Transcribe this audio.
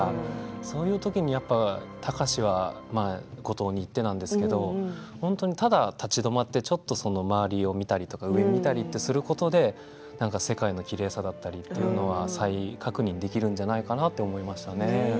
そういう時に貴司は五島に行ってただ立ち止まってちょっと周りを見たり上を見たりすることで世界のきれいさだったりというのは、再確認できるんじゃないかなと思いましたね。